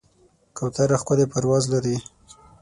کوتره ښکلی پرواز لري.